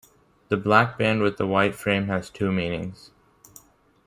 The black band with the white frame has two meanings.